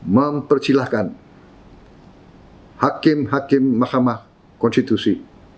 mempersilahkan hakim hakim mahkamah konstitusi